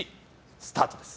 スタートです。